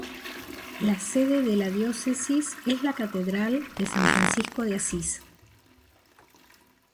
La sede de la Diócesis es la Catedral de San Francisco de Asís.